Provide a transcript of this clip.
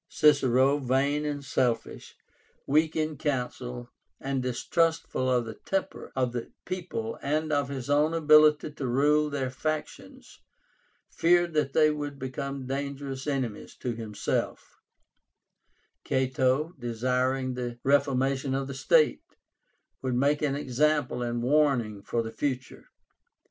Cicero, vain and selfish, weak in council, and distrustful of the temper of the people and of his own ability to rule their factions, feared that they would become dangerous enemies to himself; Cato, desiring the reformation of the state, would make an example and warning for the future.